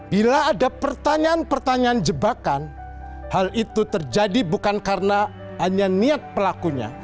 bila ada pertanyaan pertanyaan jebakan hal itu terjadi bukan karena hanya niat pelakunya